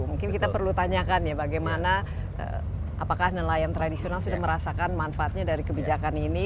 mungkin kita perlu tanyakan ya bagaimana apakah nelayan tradisional sudah merasakan manfaatnya dari kebijakan ini